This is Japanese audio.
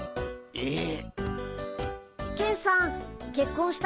えっ？